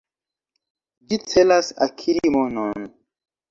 Ĝi celas akiri monon.